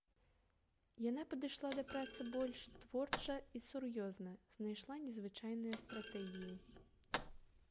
Яна падышла да працы больш творча і сур'ёзна, знайшла незвычайныя стратэгіі.